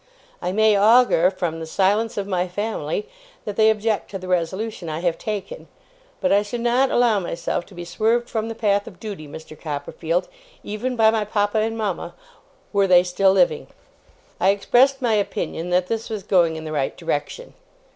I may augur, from the silence of my family, that they object to the resolution I have taken; but I should not allow myself to be swerved from the path of duty, Mr. Copperfield, even by my papa and mama, were they still living.' I expressed my opinion that this was going in the right direction.